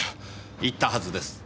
言ったはずです。